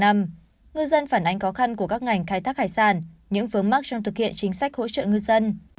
ngư dân phản ánh khó khăn của các ngành khai thác hải sản những vướng mắt trong thực hiện chính sách hỗ trợ ngư dân